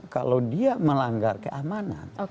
kalau dia melanggar keamanan